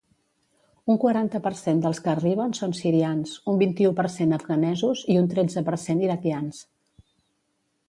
Un quaranta per cent dels que arriben són sirians, un vint-i-u per cent afganesos i un tretze per cent iraquians.